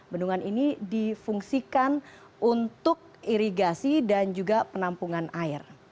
bendungan ini dipengaruhi untuk irigasi dan penampungan air